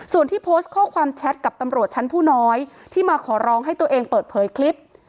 ส่วนที่โพสต์ข้อความแชทกับตำรวจชั้นผู้น้อยที่มาขอร้องให้ตัวเองเปิดเผยคลิป